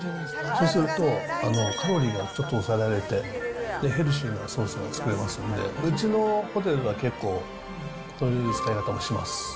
そうすると、カロリーが低く抑えられて、ヘルシーなソースが作れますんで、うちのホテルでは結構、そういうふうな使い方もします。